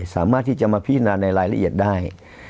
สามารถที่จะมาพิจารณาในรายละเอียดได้